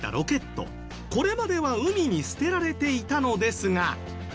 これまでは海に捨てられていたのですが。